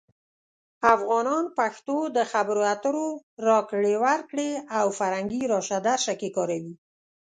افغانان پښتو د خبرو اترو، راکړې ورکړې، او فرهنګي راشه درشه کې کاروي.